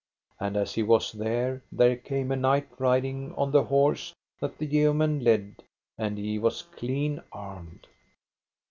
And as he was there, there came a knight riding on the horse that the yeoman led, and he was clean armed.